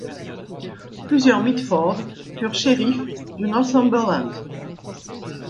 Plusieurs Mitford furent shérifs du Northumberland.